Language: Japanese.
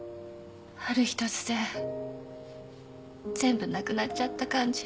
ある日突然全部なくなっちゃった感じ。